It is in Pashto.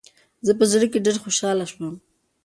زه په زړه کې ډېره خوشحاله شوم .